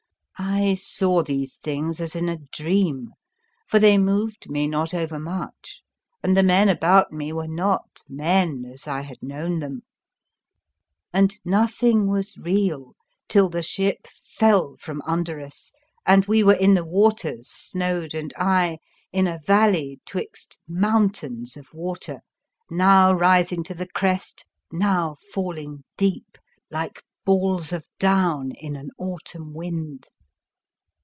I saw these things as in a dream, for they moved me not overmuch, and the men about me were not men as I had known them, and nothing was real till the ship fell ip The Fearsome Island from under us and we were in the waters, Snoad and I, in a valley 'twixt mountains of water, now rising to the crest, now falling deep, like balls of down in an autumn wind.